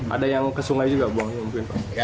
ada yang ke sungai juga buangnya